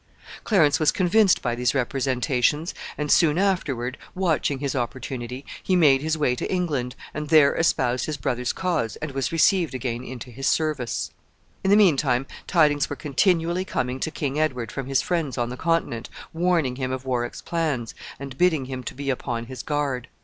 Clarence was convinced by these representations, and soon afterward, watching his opportunity, he made his way to England, and there espoused his brother's cause, and was received again into his service. In the mean time, tidings were continually coming to King Edward from his friends on the Continent, warning him of Warwick's plans, and bidding him to be upon his guard.